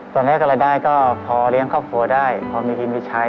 ตอนนี้รายได้ก็พอเลี้ยงครอบครัวได้พอมีกินมีใช้